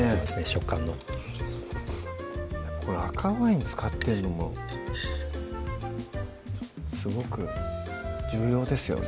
食感のこの赤ワイン使ってんのもすごく重要ですよね